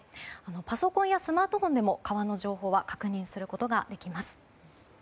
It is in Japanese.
パソコンやスマートフォンでも川の状況を確認することができます。